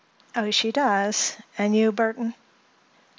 "Oh, she does. And you, Burthon?"